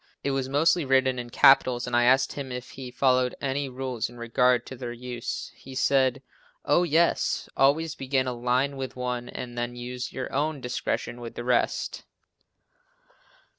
It was mostly written in capitals and I asked him if he followed any rule in regard to their use. He said "Oh, yes, always begin a line with one and then use your own discretion with the rest."